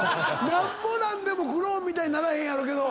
なんぼなんでもクローンみたいにならへんやろうけど。